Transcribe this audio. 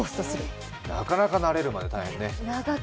なかなか慣れるまで大変ね。